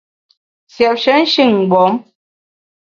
Siépshe nshin-mgbom !